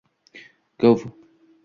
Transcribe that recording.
gov